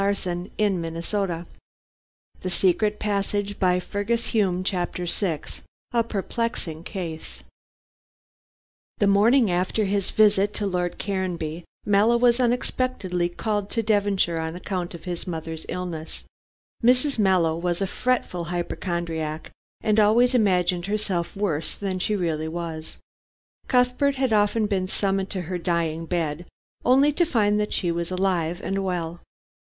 "I cannot understand why Isabella should accuse me " CHAPTER VI A PERPLEXING CASE The morning after his visit to Lord Caranby, Mallow was unexpectedly called to Devonshire on account of his mother's illness. Mrs. Mallow was a fretful hypochondriac, who always imagined herself worse than she really was. Cuthbert had often been summoned to her dying bed, only to find that she was alive and well.